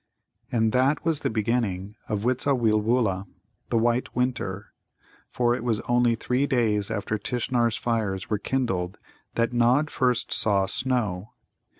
And that was the beginning of Witzaweelwūlla (the White Winter). For it was only three days after Tishnar's fires were kindled that Nod first saw snow.